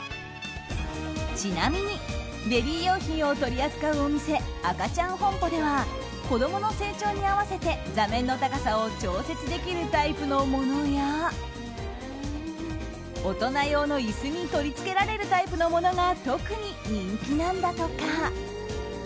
ちなみにベビー用品を取り扱うお店アカチャンホンポでは子供の成長に合わせて座面の高さを調節できるタイプのものや大人用の椅子に取り付けられるタイプのものが特に人気なんだとか。